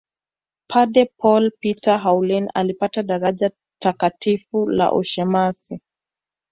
Padre Paul Peter Haule alipata daraja Takatifu la ushemasi